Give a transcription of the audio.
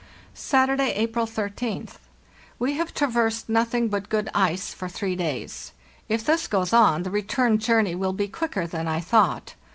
"Saturday, April 13th. We have traversed nothing but good ice for three days. If this goes on, the return journey will be quicker than I thought.